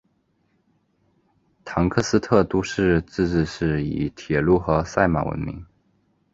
唐克斯特都市自治市以铁路和赛马闻名。